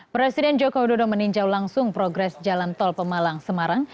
presiden joko widodo meninjau langsung progres jalan tol pemalang semarang